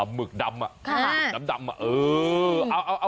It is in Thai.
หมึกดำดำเออ